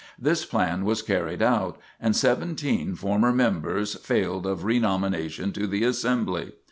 This plan was carried out, and seventeen former members failed of renomination to the Assembly.